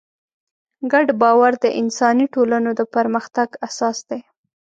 ګډ باور د انساني ټولنو د پرمختګ اساس دی.